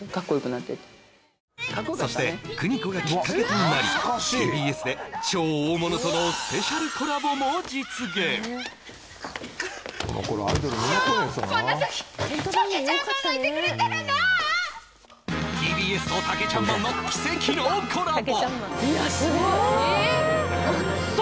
そして邦子がきっかけとなりＴＢＳで超大物とのスペシャルコラボも実現ＴＢＳとタケちゃんマンの奇跡のコラボ